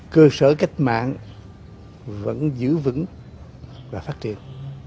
cơ sở cách mạng vẫn giữ vững và phát triển